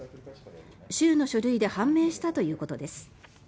州の書類で判明したということです。